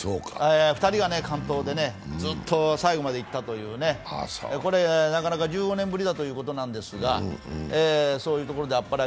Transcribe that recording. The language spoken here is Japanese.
２人が完投で、ずっと最後までいったという、これはなかなか１５年ぶりだということなんですが、そういうことであっぱれ。